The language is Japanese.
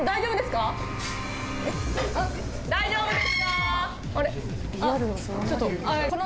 大丈夫ですか？